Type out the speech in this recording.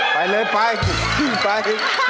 ไปเลยไปไป